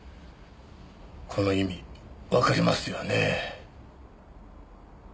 この意味わかりますよねぇ？